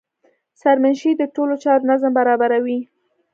سرمنشي د ټولو چارو نظم برابروي.